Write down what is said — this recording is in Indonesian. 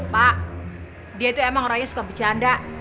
pak dia itu emang orangnya suka bercanda